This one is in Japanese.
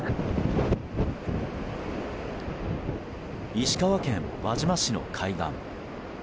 石川県輪島市の海岸。